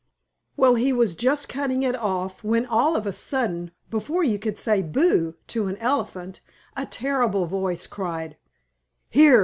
Well, he was just cutting it off, when, all of a sudden, before you could say "Boo!" to an elephant, a terrible voice cried: "Here!